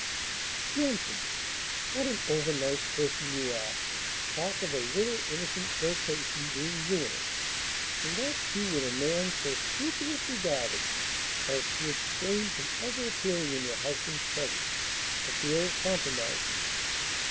"Nonsense! What an over nice person you are, to talk of a little innocent flirtation being ruinous, and that, too, with a man so scrupulously guarded as to abstain from ever appearing in your husband's presence, for fear of compromising you.